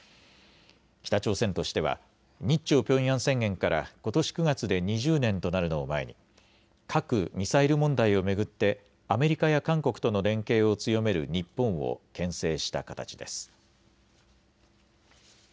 北朝鮮としては日朝ピョンヤン宣言からことし９月で２０年となるのを前に核・ミサイル問題を巡ってアメリカや韓国との連携を強める日本をけん制した形です。